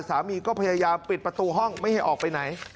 สามีก็พยายามปิดประตูห้องไม่ให้ออกไปไหน